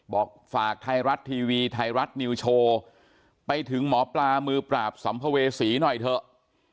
บอกฝากไทยรัฐทีวีไทยรัฐนิวโชว์ไปถึงหมอปลามือปราบสัมภเวษีหน่อยเถอะ